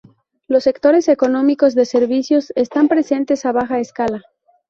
Los sectores económicos de servicios están presentes a baja escala.